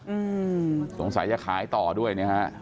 อืมสงสัยจะขายต่อด้วยนะฮะ